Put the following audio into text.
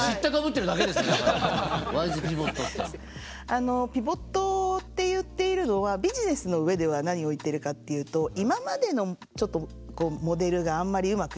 あのピボットって言っているのはビジネスの上では何を言っているかっていうと今までのモデルがあんまりうまくいかなくなっちゃう。